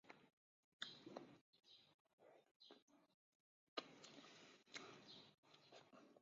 为二级大检察官。